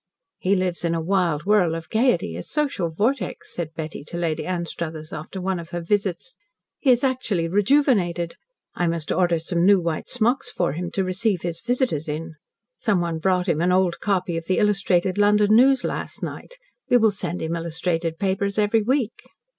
"He lives in a wild whirl of gaiety a social vortex," said Betty to Lady Anstruthers, after one of her visits. "He is actually rejuvenated. I must order some new white smocks for him to receive his visitors in. Someone brought him an old copy of the Illustrated London News last night. We will send him illustrated papers every week."